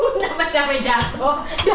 udah sama capek jatuh